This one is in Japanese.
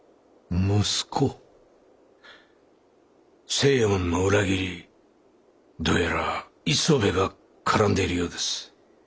星右衛門の裏切りどうやら磯部が絡んでいるようです。